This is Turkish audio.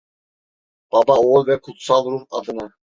Baba, Oğul ve Kutsal Ruh adına.